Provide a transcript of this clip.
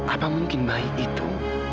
apa mungkin baik itu